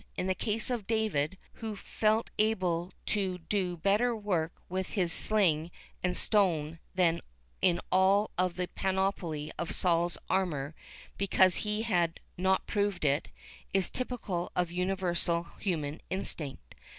The case of David, who felt able to do better work with his sling and stone than in all the panoply of Saul's armour, because he "had not proved it," is typical of a universal human instinct.